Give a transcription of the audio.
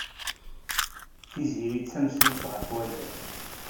Tiziri d tameslubt ɣef waddal.